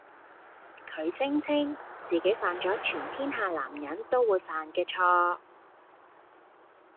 佢聲稱自己犯咗全天下男人都會犯嘅錯